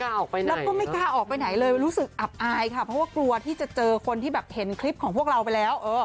แล้วก็ไม่กล้าออกไปไหนเลยรู้สึกอับอายค่ะเพราะว่ากลัวที่จะเจอคนที่แบบเห็นคลิปของพวกเราไปแล้ว